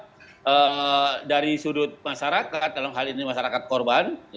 jadi dari sudut masyarakat dalam hal ini masyarakat korban